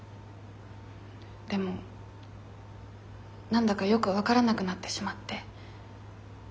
でも何だかよく分からなくなってしまって。